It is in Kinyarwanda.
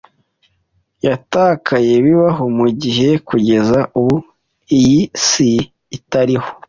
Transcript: yatakaye bibaho mugihe "Kugeza ubu iyi si itariho